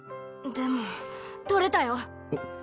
でも取れたよ。